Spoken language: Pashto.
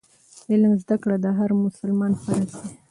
د علم زده کړه د هر مسلمان فرض دی.